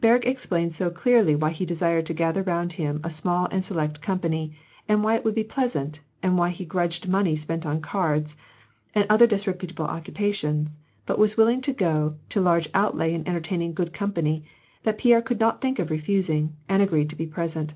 Berg explained so clearly why he desired to gather around him a small and select company, and why it would be pleasant, and why he grudged money spent on cards, and other disreputable occupations, but was willing to go to large outlay in entertaining good com pany, that Pierre could not think of refusing, and agreed to be present.